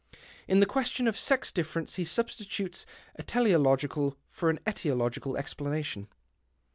In the question of sex difference he substitutes a teleological for an etiological explanation."